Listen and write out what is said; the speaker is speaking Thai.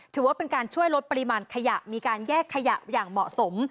ถือว่าเป็นการช่วยลดปริมาณขยะมีการแยกขยะอย่างเหมาะสม